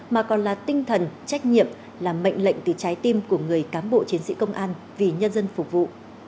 mà còn là tinh thần trách nhiệm là mệnh lệnh từ trái tim của người cám bộ chiến sĩ công an vì nhân dân phục vụ